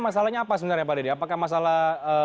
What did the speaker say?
masalahnya apa sebenarnya pak dedy apakah masalah